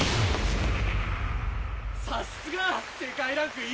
さすが世界ランク１位！